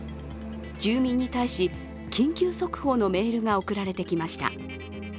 住民に対し、緊急速報のメールが送られてきました。